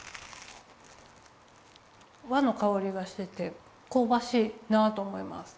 和のかおりがしててこうばしいなと思います。